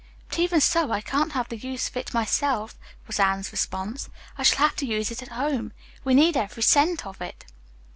"But even so, I can't have the use of it myself," was Anne's response. "I shall have to use it at home. We need every cent of it."